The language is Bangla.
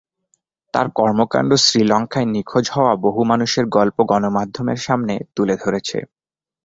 তার কর্মকাণ্ড শ্রীলঙ্কায় নিখোঁজ হওয়া বহু মানুষের গল্প গণমাধ্যমের সামনে তুলে ধরেছে।